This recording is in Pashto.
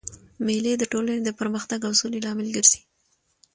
مېلې د ټولني د پرمختګ او سولي لامل ګرځي.